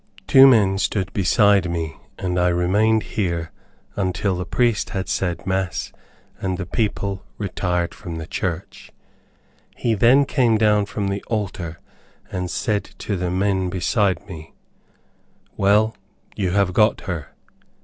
Two men stood beside me, and I remained here until the priest had said mass and the people retired from the church. He then came down from the altar, and said to the men beside me, "Well, you have got her."